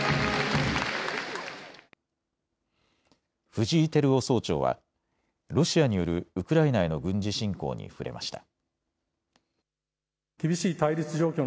藤井輝夫総長はロシアによるウクライナへの軍事侵攻に触れました。